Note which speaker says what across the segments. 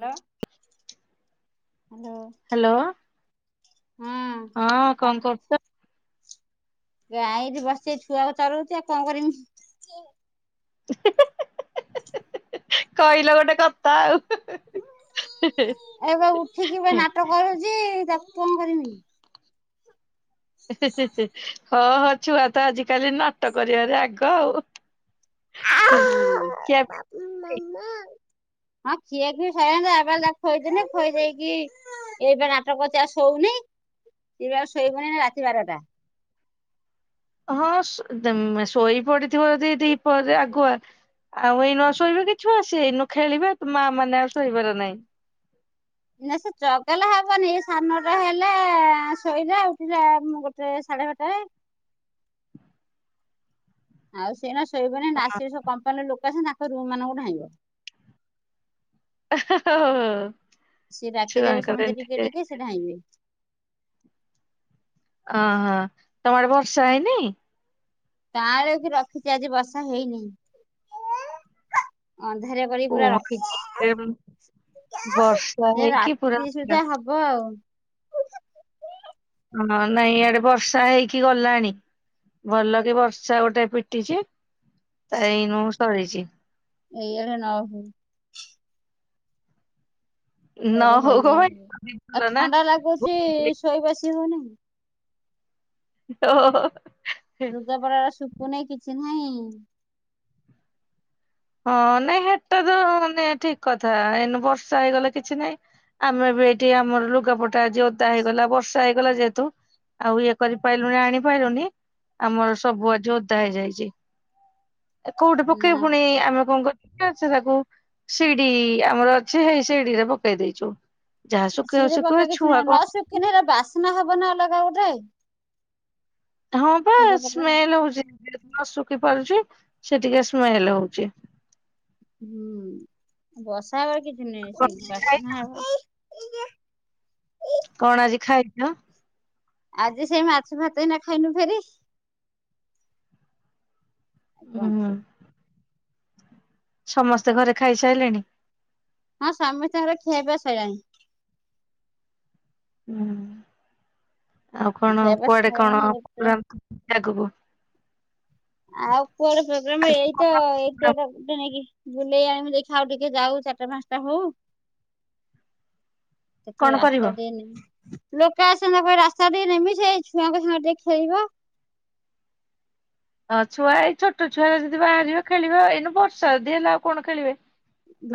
Speaker 1: Hello hello
Speaker 2: hello
Speaker 1: ହୁଁ।
Speaker 2: ହଁ କଣ କରୁଚ?
Speaker 1: ଗାଁ ଏଇଠି ବସଚି ଏଇ ଛୁଆକୁ ଚରୋଉଚି ଆଉ କଣ କରମି।
Speaker 2: ଉ ହି ହି ହି ହି ହି ହି। ହି ହି ହି କହିଲ ଗୋଟେ କଥା ଆଉ।
Speaker 1: ଏବେ ଉଠିକି ପା ନାଟ କରୁଚି ତାକୁ କଣ କରମି।
Speaker 2: ହଁ ହଁ ଛୁଆ ତ ଆଜିିକାଲି ନାଟ କରିବାରେ ଆଗ ଆଉ। ହି ଖିଆ
Speaker 1: ହଁ ଖିଆଖୁଇ ସଇଲାଣି ତା ବାପା ତାକୁ ଖୋଇଦେଲେ ଖୋଇଦେଇକି ଖୋଇ ଦେଇକି ଇଏ ଏବେ ନାଟ କରୁଚି ଆଉ ଶୋଉନେଇ ଇଏ ବି ଆଉ ଶୋଇବନି ଏନା ରାତି ବାରଟା।
Speaker 2: ହଁ ଶୋ ଦ୍ ଶୋଇପଡିଥିବ ଯଦି ଦିପହରେ ଆଗୁଆ ଆଉ ଏଇ ନ ଶୋଇବେ କି ଛୁଆ ସିଏ ଏଇନୁ ଖେଳିବେ ଆଉ ମାଆମାନେ ଆଉ ଶୋଇବାର ନାଇଁ।
Speaker 1: ନାଇ ସେ ଚଗଲା ହବନି ଏଇ ଶାଢ ନଅଟା ହେଲା ଶୋଇଲା ଉଠିଲା ଗୋଟେ ସାଢେ ବାରଟାରେ। ଆଉ ସିଏ ଏଇନା ଶୋଇବନି ଏନା ଆସିବେ ସବୁ କମ୍ପାନୀରୁ ଲୋକ ଆସିବେ ତାଙ୍କ ରୁମମାନଙ୍କୁ ଧାଁଇବ।
Speaker 2: ଓହୋ ହୋ ହୋ।
Speaker 1: ସିଏ ଡାକିଦେବେ ସମସ୍ତେ ଟିକେ ଟିକେ ସିଏ ଧାଁଇବେ।
Speaker 2: ଅହ ତମ ଆଡେ ବର୍ଷା ହେଇନି।
Speaker 1: କାଆଁଳେଇକି ରଖିଚି ଆଜି ବର୍ଷା ହେଇନି। ଅନ୍ଧାରିଆ କରିକି ପୁରା
Speaker 2: କୁହରେ
Speaker 1: ରଖିଚି।
Speaker 2: ବର୍ଷା ହେଇକି ପୁରା
Speaker 1: ସୁବିଧା ହବ ଆଉ।
Speaker 2: ହଁ ନାଇଁ ଇଆଡେ ବର୍ଷା ହେଇକି ଗଲାଣି। ଭଲ କି ବର୍ଷା ଗୋଟେ ପିଟିଚି ତା ଏନୁ ସରିଚି।
Speaker 1: ଏଇଆଡେ ନ ହୋଉ।
Speaker 2: ନ
Speaker 1: ୟାଡେ
Speaker 2: ହଉ
Speaker 1: ହେନେ
Speaker 2: କଣ ପାଇଁ
Speaker 1: ଆଉ
Speaker 2: ଭଲ ନା
Speaker 1: ଥଣ୍ଡା ଲାଗୁଚି ଶୋଇବାସି ହୋଉନେଇ।
Speaker 2: ଓହୋ ହୋ।
Speaker 1: ଲୁଗା ପଟାରା ଶୁକୁନେଇ କିଛି ନାହିଁ।
Speaker 2: ହଁ ନାଇଁ ହେଟା ତ ମାନେ ଠିକ କଥା ଏନୁ ବର୍ଷା ହେଇଗଲେ କିଛି ନାଇଁ। ଆମେ ବି ଏଠି ଆମର ଲୁଗାପଟା ଆଜି ଓଦା ହେଇଗଲା ବର୍ଷା ହେଇଗଲା ଯେହେତୁ ଆଉ ଇଏ କରିପାଇଲୁଣନି ଆଣିପାଇଲୁନି ଆମର ସବୁ ଆଜି ଓଦା ହେଇଯାଇଚି। ଏ କୋଉଠି
Speaker 1: ନା
Speaker 2: ପକେଇବୁ ଫୁଣି ଆମେ କଣ କରିଚୁ ନା ସେ ତାକୁ ଶିଡି ଆମର ଅଛି ସେଇ ଶିଡିରେ ପକେଇ ଦେଇଚୁ। ଯାହା ଶୁକେଇବା ଶୁକେଇବ ଏଇ ଛୁଆ କଣ
Speaker 1: କିନୁ ହେରା ବାସ୍ନା ହବ ନା ଅଲଗା ଗୋଟେ।
Speaker 2: ହଁ ପା
Speaker 1: ଲୁଗାପଟା
Speaker 2: ସ୍ମେଲ୍ ହୋଉଚି [inaudible] ନଶୁଖି ପାରୁଚି ସେ ଟିକେ ସ୍ମେଲ ହୋଉଚି।
Speaker 1: ହୁଁ ବର୍ଷା ହବ କିଛି ନାହିଁ ସେ
Speaker 2: କଣ ଖାଇ
Speaker 1: ବାସ୍ନା ହବ।
Speaker 2: କଣ ଆଜି ଖାଇଚ?
Speaker 1: ଆଜି ସେଇ ମାଛ ଭାତ ଏଇନା ଖାଇନୁ ଫେରି। ଆ କଣ
Speaker 2: ହୁଁ
Speaker 1: ଖାଇ
Speaker 2: ସମସ୍ତେ ଘରେ ଖାଇସାଇଲେଣି?
Speaker 1: ହଁ ସମସ୍ତଙ୍କର ଖିଆପିଆ ସଇଲାଣି।
Speaker 2: ହୁଁ ଆଉ କଣ
Speaker 1: ଖିଆପିଆ
Speaker 2: କୁଆଡେ
Speaker 1: ସଇଲାଣି
Speaker 2: କଣ
Speaker 1: ଏବେ
Speaker 2: [unintelligible] ଆଗକୁ?
Speaker 1: ଆଉ କୁଆଡେ ପ୍ରୋଗ୍ରାମ ଏଇତ ଏଇ ଛୁଆଟାକୁ ଟିକେ ନେଇକି ବୁଲେଇ ଆଣିବି ଦେଖିଆ ଆଉ ଟିକେ ଯାଉ ଚାରଟା ପାଞ୍ଚଟା ହୋଉ। ଟିକେ
Speaker 2: କଣ କରିବ?
Speaker 1: ରାସ୍ତା ଦିଅନି। [unintelligible] ଲୋକ ଆସିବେ ତାକୁ ରାସ୍ତାକୁ ଟିକେ ନେମି ସିଏ ଏଇ ଛୁଆଙ୍କ ସାଙ୍ଗରେ ଟିକେ ଖେଳିବ।
Speaker 2: ହଁ ଛୁଆ ଏଇ ଛୋଟ ଛୁଆରେ ଯଦି ବାହାରିବା ଖେଳିବ ଏଇନୁ ବର୍ଷା ଯଦି ହେଲା ଆଉ କଣ ଖେଳିବେ।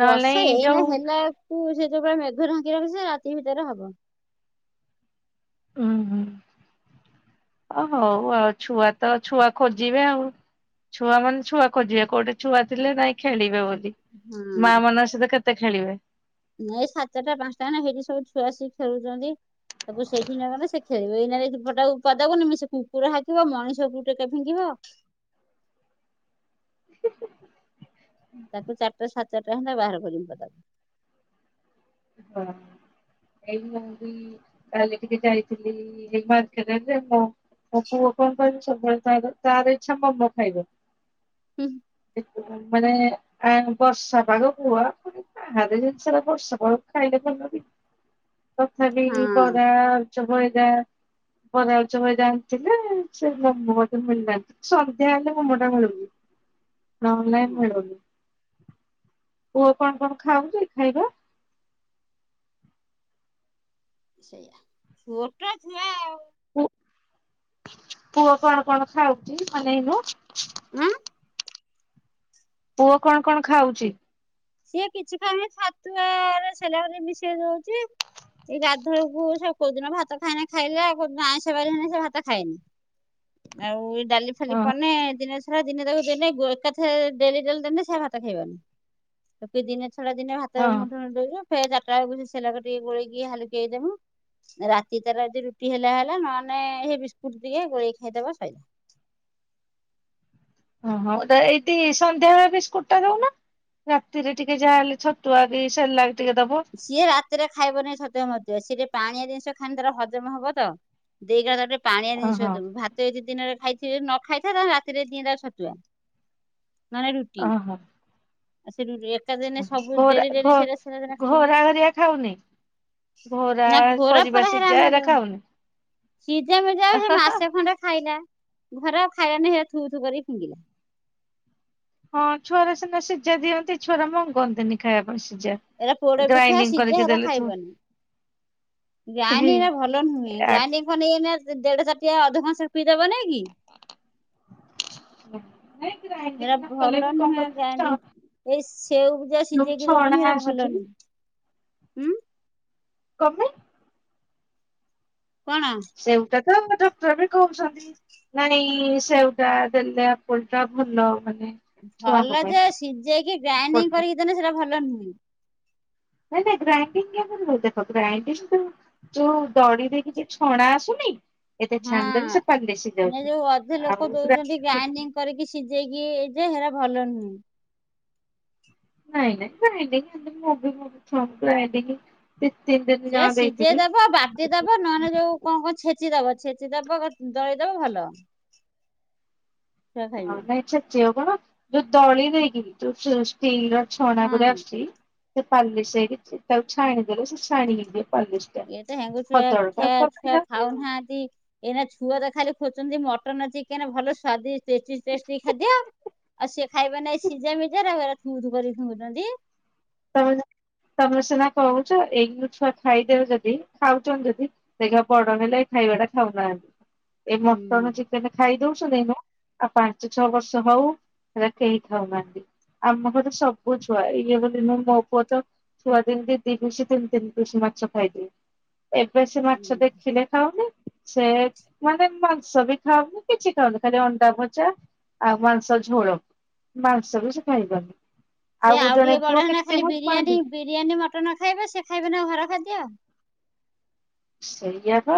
Speaker 2: ନହେଲେ ନାଇଁ ଯୋଉ
Speaker 1: ଏଇନା ହେଲା କୁ ସେ ଯୋଉଭଲିଆ ମେଘ ଢାଙ୍କି ରଖିଚି ସେ ରାତି ଭିତରେ ହବ।
Speaker 2: ଉଁ ହୁଁ ଓ ହଉ ଆଉ ଛୁଆ ତ ଛୁଆ ଖୋଜିବେ ଆଉ। ଛୁଆ ମାନେ ଛୁଆ ଖୋଜିବେ କୋଉଟି ଛୁଆ ଥିଲେ ନାଇଁ ଖେଳିବେ ବୋଲି। ମା ମନଙ୍କ ସହିତ କେତେ ଖେଳିବେ?
Speaker 1: ଏ ସାତଟା ପାଞ୍ଚଟା ନା ହେଇଠି ସବୁ ଛୁଆସିକି ଖେଳୁଚନ୍ତି। ତାକୁ ସେଇଠି ନଗଲେ ସେ ଖେଳିବ। ଏଇନା ଯଦି ପଟାକୁ ପଦାକୁ ନେମି ସେ କୁକୁର ହାକିବ ମଣିଷକୁ ଟେ ଫିଙ୍ଗିବ
Speaker 2: [inaudible]
Speaker 1: ତାକୁ ଚାରିଟା ସାଢ଼େ ଚାରିଟା ହେନେ ବାହାର କରିମି ପଦାକୁ।
Speaker 2: ହଁ ଏ ମୁ ବି କାଲି ଟିକେ ଯାଇଥିଲି ମାର୍କେଟ ଆଡେ ଜେ ମୁଁ ମୋ ପୁଅ କଣ କରିଛି ନା ତାର ଇଛା ମୋମୋ ଖାଇବ।
Speaker 1: ହୁଁ।
Speaker 2: ମାନେ ଆ ବର୍ଷାପାଗ କୁ ହୁଆ ପୁଣି ବାହାର ଜିନଷ ରା ବର୍ଷ ପାଗ ଖାଇଲେ ଭଲ କି? ତଥାପି
Speaker 1: ହଁ।
Speaker 2: ବରା ଆଳୁଚପ୍ [unintelligible] ବରା ଆଳୁଚପ୍ ହାରିକା ଆଣିଥିଲେ। ସେ ମୋମୋ ବୋଧେ ମିଳିଲାନି। ସନ୍ଧ୍ୟା ହେଲେ ମୋମୋ ତା ମିଳୁଚି। ନହଲେ ନାଇଁ
Speaker 1: ହଁ
Speaker 2: ମିଲୁନି। ପୁଅ କଣ କଣ ଖାଉଚି ଖାଇବା?
Speaker 1: ସେଇଆ ଛୁଅଟ ଛୁଆ ଆଉ।
Speaker 2: ପୁ ପୁଅ କଣ କଣ ଖାଉଚି ମନେ ଏଇନା?
Speaker 1: ଉଁ?
Speaker 2: ପୁଅ କଣ କଣ ଖାଉଚି?
Speaker 1: ସିଏ କିଛି ଖାଉନି। ଛାତୁଆ ରେ ସେରେଲାକ୍ ଟିକେ ମିଶେଇ ଦଉଚି। ଏଇ ଗାଧୁଳକୁ ସେ କୋଉଦିନ ଭାତ ଖାଇନେ ଖାଇଲା ଆଉକୋଉଦିନ ଆଇଁଷବାର ହେଲେ ସେ ଭାତ ଖାଏନି। ଆଉ ଏ ଡାଲି ଫାଲି
Speaker 2: ହଁ
Speaker 1: କନେ ଦିନେ ଛଡା ଦିନେ ତାକୁ ଦେଲେ ଗୋ ଏକାଥରେ ଡେଲି ଡେଲି ଦେନେ ସେ ଆଉ ଭାତ ଖାଇବନି। ଦିନେ ଛଡା ଦିନେ ଭାତ
Speaker 2: ହଁ।
Speaker 1: ମୁଠୁଉ ମୁଠେ ଦବୁ ଫେରେ ଚାଟା ବେଳକୁ ସେଲାଗ ଟିକେ ଗୋଲେଇକି ହାଲୁକେଇକି ଦେମୁ। ରାତି ତାର ଯଦି ରୁଟି ହେଲା ହେଲା ନହେଲେ ସେଇ ବିସ୍କୁଟ ଟିକେ ଗୋଳେଇ ଖାଇଦବ ସଇଲା।
Speaker 2: ଓହୋ ଏଇଠି ସନ୍ଧ୍ୟାବେଳେ ବିସ୍କୁଟ ଟା ଦଉନ। ରାତିରେ ଟିକେ ଯାହାହେଲେ ଛତୁଆ କି ସେଲାକ୍ ଟିକେ ଦବ।
Speaker 1: ସିଏ ରାତିରେ ଖାଇବନେଇଁ ଛତୁଆ ମତୁଆ ସିଏ ଟିକେ ପାଣିଆ ଜିନିଷ ଖାଇନେ ତାର ହଜମ ହବ ତ। ଦେଇ କଇଲା ତାକୁ ଟିକେ ପାଣିଆ
Speaker 2: ଓହୋ
Speaker 1: ଜିନଷ ଦେବୁ। ଭାତ୍ ତ ଯଦି ଦିନରେ ଖାଇଥିବେ ନ ଖାଇଥାଏ ତାନେ ରାତିରେ ଦିିଏଁ ତାକୁ ଛତୁଆ। ନନେ ରୁଟି।
Speaker 2: ଓହୋ।
Speaker 1: ଆ ସେ ରୁ ରୁ ଏକା ଦିନେ ସବୁ ଡେଲି ଡେଲି ସେଇରା ସେଇରା ଦେନ
Speaker 2: ଘୋର ହରିଆ ଖାଉନି? ଘୋରା
Speaker 1: ନା ଘୋର
Speaker 2: ପରିବା
Speaker 1: ଫୋର ହେରା
Speaker 2: ସିଜା
Speaker 1: ଆମେ
Speaker 2: ଏରା
Speaker 1: ଦଉନା
Speaker 2: ଖାଉନି?
Speaker 1: ସିଝା ମିଜା ସେ ମାସେ ଖଣ୍ଡେ ଖାଇଲା। ଧର ଖାଇଲାନି ହେରା ଥୁ ଥୁ କରି ଫିଙ୍ଗିଲା
Speaker 2: ହଁ ଛୁଆର ସିନା ସିଝା ଦିଅନ୍ତି। ଛୁଆର ମଂଗନ୍ତିନି ଖାଇବା ପାଇଁ ସିଝା।
Speaker 1: ଏଇରା ପୋଡ ପିଠା
Speaker 2: ଗ୍ରାଇଣ୍ଡିଙ୍ଗ
Speaker 1: ସିଝା
Speaker 2: କରିକି
Speaker 1: ହେରା
Speaker 2: ଦେଲେ ଥୁ
Speaker 1: ଖାଇବନି। ଗ୍ରାଇଣ୍ଡିଙ୍ଗ ଏ ଭଲ ନୁହେଁ।
Speaker 2: ଆ
Speaker 1: ଗ୍ରାଇଣ୍ଡିଙ୍ଗ କଲେ ଏଇନା ଦେଢ ତାଟିଆ ଅଧକଂସେ ପିଇଦବନେଇ କି।
Speaker 2: ନାଇଁ
Speaker 1: ହେରା
Speaker 2: ଗ୍ରାଇଣ୍ଡିଙ୍ଗ ନକଲେ
Speaker 1: ଭଲ
Speaker 2: ବି କଣ
Speaker 1: ନୁହେଁ ଗ୍ରାଇଣ୍ଡି
Speaker 2: କରିବୁ [unintelligible]
Speaker 1: ଏଇ ସେଉ କୁ ଯା ସିଝେଇକି ଦଉଚନ୍ତି ହେଇଟା ଭଲ ନୁହିଁ।
Speaker 2: କଁ ପାଇଁ?
Speaker 1: କଣ?
Speaker 2: ସେଉଟା ତ ଡକ୍ଟର ବି କହୁଚନ୍ତି। ନାଇଁ ସେଓଟା ଦେଲେ ଆପଲ ଟା ଭଲ ମାନେ ଛୁଆଙ୍କ
Speaker 1: ଭଲ
Speaker 2: ପାଇଁ।
Speaker 1: ଯେ ସିଝେଇକି ଗ୍ରାଇଣ୍ଡିଙ୍ଗ
Speaker 2: ନାଇଁ
Speaker 1: କରିକି ଦେଲେ ସେଇଟା ଭଲ ନୁହଁ।
Speaker 2: ନାଇଁ ନା ଗ୍ରାଇଣ୍ଡଡିଙ୍ଗ [unintelligible] ଦେଖ ଗ୍ରାଇଣ୍ଡିଙ୍ଗ ତ ତୁ ଦଳି ଦେଇକି କି ଯୋଉ ଛଣା ଆସୁନି ଏତେ ଛାନିଦେଲେ
Speaker 1: ହଁ
Speaker 2: ସେଇଟା ପାଲ ଦେଶି
Speaker 1: ଏ
Speaker 2: ଯାଉଛି।
Speaker 1: ଯୋଉ ଅଧେ ଲୋକ
Speaker 2: ଆଉ ପୁର
Speaker 1: ଦଉଛନ୍ତି ଗ୍ରାଇଣ୍ଡିଙ୍ଗ କରିକି ସିଝେଇକି ଏଇ ଯେ ହେରା ଭଲ ନୁହେଁ।
Speaker 2: ନାଇଁ ନାଇଁ ଗାଇଲେି ମୁଁ ବି ମୁ ଗି ଦି ତିନ ଦିନ ଜମା
Speaker 1: ସେ ସିଝେଇ
Speaker 2: ଯଦଇଥିଲି।
Speaker 1: ଦବ ବାଟି ଦବ ନହେଲେ ଯୋଉ କଣ କଣ ଛେଚି ଦବ ଛେଚି ଦବ ଦଳି ଦବ ଭଲ। ଛୁଆ
Speaker 2: ହଁ
Speaker 1: ଖାଇବେ
Speaker 2: ନାଇଁ ଛେଚିବ କଣ ଯୋଉ ଦଳି ଦେଇକି ଯୋଉ ଷ୍ଟିଲ ର ଛଣା
Speaker 1: ହଁ
Speaker 2: ଗୋରେ ଆସୁଛି ସେ ପାଲିସ ହେଇକି ତାକୁ ଛାଣିଦେଲେ ସେ ଛାଣିକି ଦି ପାଲିସ ଟା
Speaker 1: ଇଏ ତ ହେଙ୍ଗୁଛୁଆ
Speaker 2: ଖଦଡ ଟା
Speaker 1: ଖିଆଛୁଆ
Speaker 2: ପକେଇଲା
Speaker 1: ଖାଉ ନାହାନ୍ତି। ଏଇନା ଛୁଆ ତ ଖାଲି ଖୋଜଚନ୍ତି ମଟନ୍ ଚିକେନ ଭଲ ସ୍ଵାଦିଷ୍ଟ ଟେଷ୍ଟି ଟେଷ୍ଟି ଖାଦ୍ୟ ଆଉ ସିଏ ଖାଇବା ନାଇଁ ସିଝା ମିଝା ରାକୁ ଏରା ଥୁଥୁ କରି ଫିଙ୍ଗୁ ଚନ୍ତି।
Speaker 2: ତମେ ନା ତମେ ସିନା କହୁଛ ଏଗୁ ଛୁଆ ଖାଇଦେବେ ଯଦି ଖାଉଛ ଯଦି ସେଇା ପଡନ ହେ ଲ ଏ ଖାଇବା ଟା ଖାଉନାହାନ୍ତି ଏଇ ମଟନ ଚିକେନ ଖାଇ ଦଉଛନ୍ତିଛନ୍ତି। ଆଉ ପାଞ୍ଚ ଛଅ ବର୍ଷ ହଉ ହେରା କେହି ଖାଉ ନାହାନ୍ତି। ଆମ ଘର ସବୁ ଛୁଆ ଇଏ କିନ ମୋ ପୁଅ ତ ଛୁଆ ଦି ତିନି ପିସ ମାଛ ଖାଇଦିଏ। ଏବେ ସେ ମାଛ ଦେଖିଲେ ଖାଉନି। ସେ ମାନେ ମାଂସ ବି ଖାଉନି କିଛି ଖାଉନି ଖାଲି ଅଣ୍ଡା ଭଜା ଆଉ ମାଂସ ଝୋଳ ମାଂସ ବି ସେ ଖାଇବନି।
Speaker 1: ସେ ଆଉ
Speaker 2: ଜଣେ
Speaker 1: ଟିକେ
Speaker 2: ପୁଅ
Speaker 1: ବଡ ହେନା
Speaker 2: କେତେ
Speaker 1: ଖାଲି
Speaker 2: ଭଲ ପାଆନ୍ତି
Speaker 1: ବିରିୟାନୀ ବିରିୟାନୀ ମଟନ ନ ଖାଇବେ ସେ ଖାଇବେ ନା ଘର ଖାଦ୍ୟ ଆଉ।
Speaker 2: ସେଇଆ ପା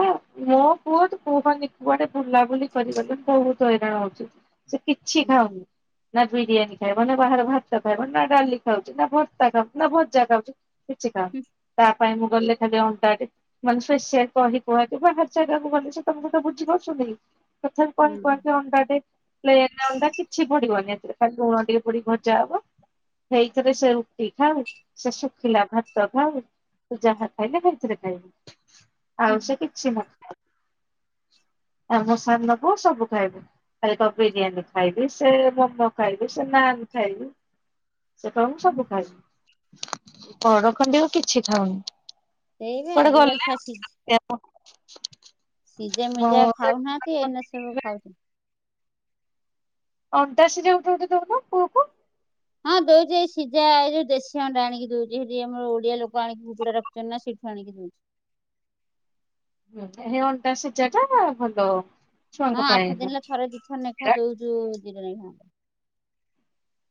Speaker 2: ମୋ ପୁଅ ତ କୁହନି କୁହନି ବୁଲାବୁଲି କରିଲେ ବହୁତ ହଇରାଣ ହଉଛି। ସେ କିଛି ଖାଉନି।
Speaker 1: ହୁଁ
Speaker 2: ନା ବିରିୟାନୀ ଖାଇବ ନା ବାହାରେ ଭାତ ଖାଇବ ନା ଡାଲି ଖାଉଛି ନା ଭର୍ତ୍ତା ଖାଉଛି ନା ଭଜା ଖାଉଛି। କିଛି ଖାଉନି ତା ପାଇଁ ମୁଁ ଗଲେଖାଲି ଅଣ୍ଟାଡେ ମାନେ ଶେ କହି କୁହା ବାହାର ଜାଗାକୁ ଗଲେ ସେ ତମେ ସେତ ବୁଝିାରୁଛଛନ୍ତିି ପଛ କ କ
Speaker 1: ହୁଁ।
Speaker 2: ଅଣ୍ଡା ଟେ ପ୍ଲେନ ଅଣ୍ଡା କିଛି ପଡିବନି ଏଥିରେ ଖାଲି ଲୁଣ ଟିକେ ପିଡ଼ିକି ଭଜା ହବ। ହେଇଥିରେ ସେ ରୁଟି ଖାଉ ସେ ଶୁଖିଲା ଭାତ ଖାଉ ତୁ ଯାହା ଖାଇଲେ ହେଇଥିରେ ଖାଇବି ଆଉ ସେ କିଛି ନ ଖଏ। ଆମ ସାନ ନବୁ ସବୁ ଖାଇବୁ। ଖାଲି କ ବିରିୟାନୀ ଖାଇବି ସେ ମୋମୋ ଖାଇବି ସେ ନାନ ଖାଇବି। ସେ କହିବ ମୁଁ ସବୁ ଖାଇବି ପରଡ ଖଡି ଆଉ କିଛି ଖଉନି।
Speaker 1: ସେଇବେ ଆଜିକାଲି ଛୁଆ ସିଝ ସିଝା
Speaker 2: ମୋ
Speaker 1: ମିଜେ। ଖାଉନାହାନ୍ତି ଏଇନା ସବୁ ଖାଉଛି।
Speaker 2: ଅଣ୍ଡା ସିଝା ଗୋଟେ ଗୋଟେ ଦଉନ ପୁଅକୁ।
Speaker 1: ହଁ ଦଉଛି ଏ ସିଝା ଏଇ ଯଉ ଦେଶୀ ଅଣ୍ଡା ଆଣିକି ଦଉଛି ସେଠି ଆମର ଓଡିଆ ଲୋକ ଆଣିକି ଗୁଡା ରଖୁଛ ନା ସେଠୁ ଆଣିକି ଦଉଛି।
Speaker 2: ହେ ଅଣ୍ଡା ସିଜାଟା ଭଲ।
Speaker 1: ହଁ
Speaker 2: ଛୁଆଙ୍କ
Speaker 1: ଆଠ
Speaker 2: ପାଇଁ
Speaker 1: ଦିନରେ ଥରେ ଦି ଥର ଲେଖା ଦଉଛୁ ଦିିନ ଖାେ।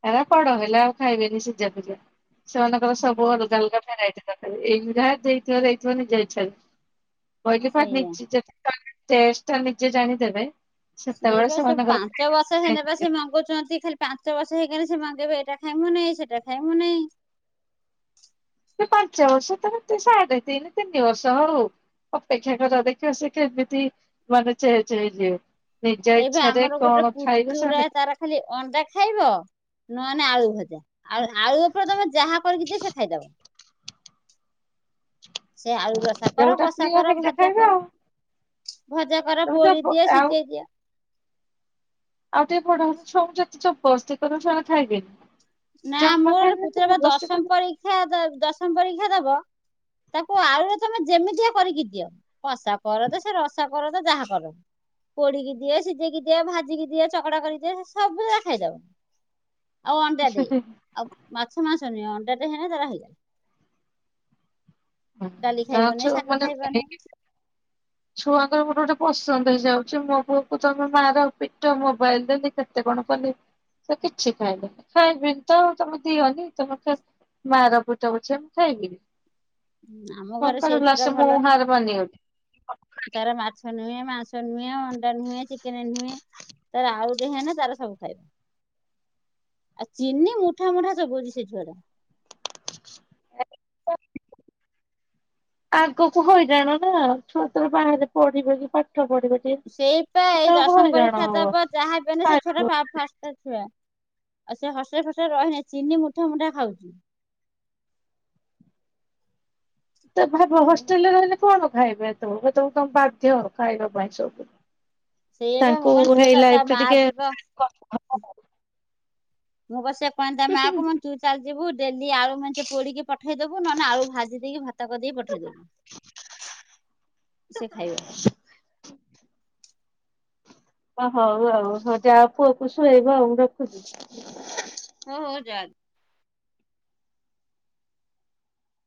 Speaker 2: ଆ ବଡ ହେଲା ଆଉ ଖାଇବେନି ସିଝା ଫଜା ସେମାନଙ୍କର ସବୁ
Speaker 1: ହୁଁ।
Speaker 2: ଅଲଗା ଅଲଗା ଭେରାଇଟି। ଏଇଗୁରା ଦେଇଥିବ ଦେଇଥିବ ନିଜ ଇଛା ରେ କହିଲି ଫାଟ
Speaker 1: ସେଇଆ
Speaker 2: ନେଇ ଟେଷ୍ଟ ଟା ନିଜେ ଜାଣିଦେବେ
Speaker 1: ସେ
Speaker 2: ସେତେବେଳେ
Speaker 1: ବା ସେ
Speaker 2: ସେମାନଙ୍କର
Speaker 1: ପାଞ୍ଚ ବର୍ଷ ହେ ନେବା ସେ ମଙ୍ଗୁଛନ୍ତି ଖାଲି। ପାଞ୍ଚ ବର୍ଷ ହେଇକଲେ ସେ ମାଗବେ ଏଇଟା ଖାଇମୁ ନାହିଁ ସେଟା ଖାଇମୁ ନେଇଁ।
Speaker 2: ସେ ପାଞ୍ଚ ବର୍ଷ ତାର ସାଢ଼େ ତିନି ତିନି ବର୍ଷ ହଉ ଅପେକ୍ଷା କର ଦେଖିବା ସେ କେମିତି ମାନେହି ଯିବେ। ନିଜ
Speaker 1: ଏଇବା
Speaker 2: ଇଚ୍ଛାରେ
Speaker 1: ଆମର ଗୋଟେ
Speaker 2: କଣ ଖାଇବ
Speaker 1: ପୁତୁରା
Speaker 2: ସେମାନେ
Speaker 1: ଖାଲି ଅଣ୍ଡା ଖାଇବ। ନହନେ ଆଳୁ ଭଜା ଆ ଆଳୁ ଉପରେ ତମେ ଯାହା କରିକି ଦି ସେ ଖାଇଦବ। ସେ ଆଳୁ ରସା କର
Speaker 2: ଯୋଉଟା
Speaker 1: କଷା
Speaker 2: ପ୍ରିୟ
Speaker 1: କର
Speaker 2: ସେଇଟା
Speaker 1: ଭଜା
Speaker 2: ଖାଇବେ
Speaker 1: କର
Speaker 2: ଆଉ।
Speaker 1: ଭଜା ଧର
Speaker 2: ତମେ
Speaker 1: ପୋଡ଼ି
Speaker 2: ଜବ
Speaker 1: ଦିଏ
Speaker 2: ଆଉ
Speaker 1: ସିଝେଇ ଦିଏ।
Speaker 2: ଆଉ ଟିକେ ବଡ଼ [unintelligible]
Speaker 1: ନା ମୋର ପୁତୁରାବା ଦଶମ
Speaker 2: କଲେ
Speaker 1: ପରୀକ୍ଷା ଦଶମ ପରୀକ୍ଷା ଦବ ତାକୁ ଆଳୁରେ ତମେ ଯେମିତିଆ କରିକି ଦିଅ କଷା କରତ ସେ ରସା କରତ ଯାହାକର ପୋଡ଼ିକି ଦିଏ ସିଝେଇକି ଦିଏ ଭାଜିକି ଦିଏ ଚକଡ଼ା କରିକିଦିଏ ସେ ସବୁରା ଖାଇଦବ। ଆଉ ଅଣ୍ଡା ଦିଏ ଆଉ ମାଛ ମାଂସ ନୁହେଁ ଅଣ୍ଡାଟେ ହେନେ ତାର ହେଇଗଲା ଡାଲି
Speaker 2: ତା
Speaker 1: ଖାଇବନି ଶାଗ
Speaker 2: ଅଛମାନେ
Speaker 1: ଖାଇବନି।
Speaker 2: ଛୁଆଙ୍କର ଗୋଟେ ଗୋଟେ ପସନ୍ଦ ହେଇଯାଉଛି ମୋ ପୁଅକୁ ତମେ ମାର ପିଟ ମୋବାଇଲଦିଅ କେତେ କଣ କଲେ ସେ କିଛି ଖାଇଲେନି ଖାଇବିନିତ ତମେ ଦିଅନି ତମେ ଖା ମାର ପିଟ ପଛେ ମୁଁ ଖାଇବିନି
Speaker 1: ଆମ ଘରେ
Speaker 2: କଙ୍କଣ
Speaker 1: ସେଇ ଛୁଆଟା
Speaker 2: ଲସ
Speaker 1: ଭଲ ନା
Speaker 2: ମଁହାର ବନେଇ
Speaker 1: ତାର ମାଛ ନୁହେଁ ମାଂସ ନୁହେଁ ଅଣ୍ଡା ନୁହେଁ ଚିକେନେ ନୁହେଁ ତାର ଆଳୁଟେ ହେନେ ତାର ସବୁ ଖାଇବ ଆଉ ଚିନି ମୁଠା ମୁଠା ଚୋବୋଉଚି ସେ ଛୁଆଟା
Speaker 2: [unintelligible] ଆଗକୁ ହଇରାଣନା ଛୁଆତ ବାହାରେ ପଢ଼ିବେକି ପାଠପଢ଼ିବେ
Speaker 1: ସେଇପା ଏଇ ଦଶମ ପରୀକ୍ଷା ଦବ ଯାହା ବି ହେନେ ସେ
Speaker 2: ଖାଇବାକୁ
Speaker 1: ଛୁଆଟା ଫାଷ୍ଟ ଛୁଆ ଆଉ ସେ ହଷ୍ଟେଲ ଫଷ୍ଟେଲ ରେ ରହିନେ ଚିନି ମୁଠା ମୁଠା ଖାଉଚି
Speaker 2: ତ ଭାବ ହଷ୍ଟେଲରେ ରହିଲେ କଣ ଖାଇବା ତ ତମେ ବାଧ୍ୟ ଖାଇବା ପାଇଁ ସବୁ
Speaker 1: ସେଇଆ ବା ମୁଁ
Speaker 2: ତାଙ୍କୁ
Speaker 1: କହନି ସେ
Speaker 2: ହେଇ
Speaker 1: ତ ତା
Speaker 2: ଲାଇଫ୍ ଟା
Speaker 1: ମା
Speaker 2: ଟିକେ
Speaker 1: ଯିବ ମୁଁ ବା ସେଇଆ କହିନି ତାମାକୁ ମୁଁ ତୁ ଚାଲିଯିବୁ ଡେଲି ଆଳୁ ମେଞ୍ଚେ ପୋଡ଼ିକି ପଠେଇଦବୁ ନହେଲେ ଆଳୁ ଭାଜି ଦେଇକି ଭାତ କରିଦେଇକି ପଠେଇଦବୁ।
Speaker 2: [inaudible]
Speaker 1: ସେ ଖାଇବ
Speaker 2: ସେ ଓ ହଉ ଆଉ ହଉ ଯାଅ ପୁଅକୁ ଶୁଏଇବ ଆଉ ମୁଁ ରଖୁଛି
Speaker 1: ହଉ ହଉ ଯା